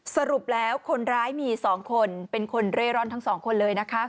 สรุปแล้วคนร้ายมี๒คนเป็นคนเร่ร่อนทั้งสองคนเลยนะคะ